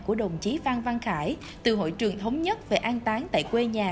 của đồng chí phan văn khải từ hội trường thống nhất về an tán tại quê nhà